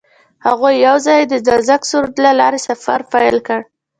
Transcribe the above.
هغوی یوځای د نازک سرود له لارې سفر پیل کړ.